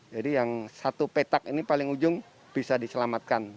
jadi yang satu petak ini paling ujung bisa diselamatkan